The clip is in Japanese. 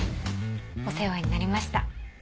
お世話になりました。